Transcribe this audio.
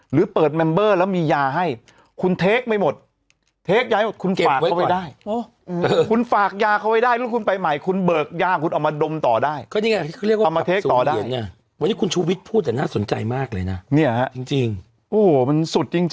หรือเปิดเมมเบอร์แล้วมียาให้คุณเทคไว้หมดเทคยายหมด